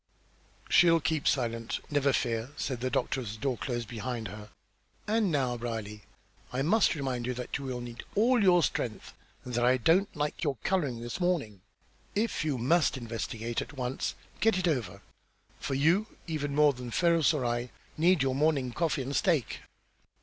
"She'll keep silent, never fear," said the doctor as the door closed behind her. "And now, Brierly, I must remind you that you will need all your strength, and that I don't like your colour this morning. If you must investigate at once, get it over, for you, even more than Ferrars or I, need your morning coffee and steak."